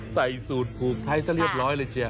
ใส่ซูต์ภูมิให้ใส่เรียบร้อยเลยเชีย